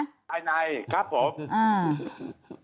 บรรยายในครับผม